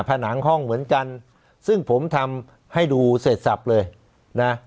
ผนังห้องเหมือนกันซึ่งผมทำให้ดูเสร็จสับเลยนะ